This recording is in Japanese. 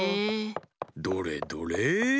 どれどれ？